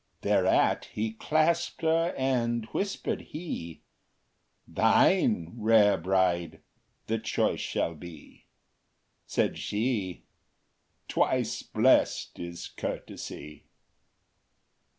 Thereat he clasped her, and whispered he, Thine, rare bride, the choice shall be. Said she, Twice blest is Courtesy!